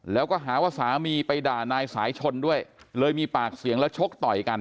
แล้วก็หาว่าสามีไปด่านายสายชนด้วยเลยมีปากเสียงแล้วชกต่อยกัน